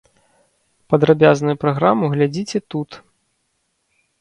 Падрабязную праграму глядзіце тут.